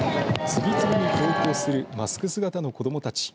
次々に登校するマスク姿の子どもたち。